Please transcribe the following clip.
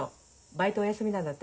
バイトお休みなんだって。